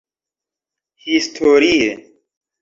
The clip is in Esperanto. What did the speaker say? Historie